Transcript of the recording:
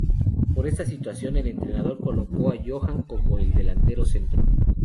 Por esta situación, el entrenador colocó a Johan como el delantero centro.